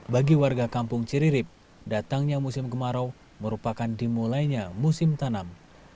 bagi warga kampung ciririp datangnya musim kemarau merupakan dimulainya musim tanam